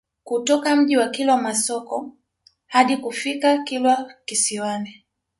Kutoka Mji wa Kilwa Masoko hadi kufika Kilwa Kisiwani